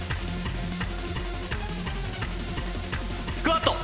スクワット！